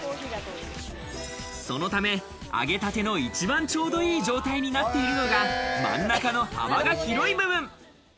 そのため、揚げたての一番ちょうどいい状態になっているのが真ん中の幅が広い部分。